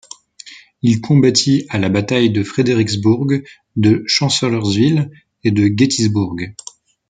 Il combattit à la bataille de Fredericksburg, de Chancellorsville et de Gettysburg.